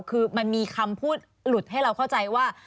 คือมันมีคำพูดหลุดให้เราเข้าใจว่า